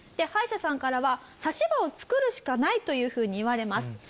歯医者さんからは差し歯を作るしかないというふうに言われます。